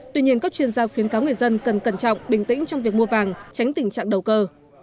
tuy nhiên các chuyên gia khuyến cáo người dân cần cẩn trọng bình tĩnh trong việc mua vàng tránh tình trạng đầu cơ